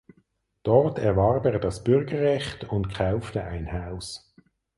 Dort erwarb er das Bürgerrecht und kaufte ein Haus.